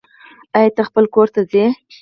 آيا ته خپل کور ته ځي